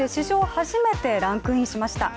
初めてランクインしました。